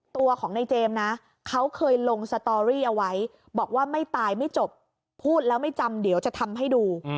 ตัวของในเจมส์นะเขาเคยลงสตอรี่เอาไว้บอกว่าไม่ตายไม่จบพูดแล้วไม่จำเดี๋ยวจะทำให้ดู